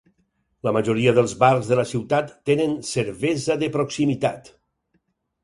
La majoria dels bars de la ciutat tenen cervesa de proximitat.